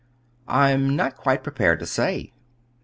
"I'm not quite prepared to say."